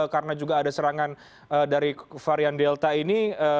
karena juga ada serangan dari varian delta ini